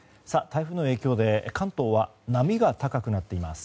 台風の影響で関東は波が高くなっています。